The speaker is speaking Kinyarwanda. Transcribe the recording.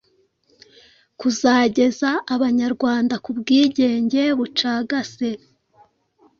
kuzageza Abanyarwanda ku bwigenge bucagase